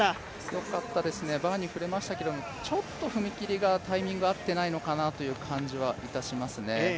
よかったですね、バーに触れましたけど踏み切りのタイミングが合ってないのかなという感じがしますね。